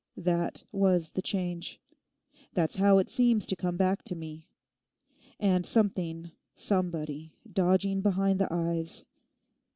That was the change. That's how it seems to come back to me. And something, somebody, dodging behind the eyes.